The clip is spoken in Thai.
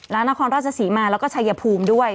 และนครราชศรีมาแล้วก็ชัยภูมิด้วย